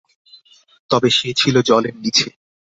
তবে সে ছিল জলের নিচে।